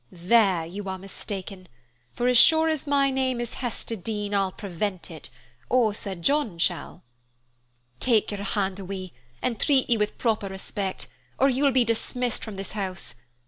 There you are mistaken; for as sure as my name is Hester Dean, I'll prevent it, or Sir John shall." "Take your hand away and treat me with proper respect, or you will be dismissed from this house.